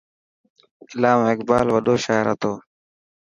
علامه اقبال وڏو شاعر هتو.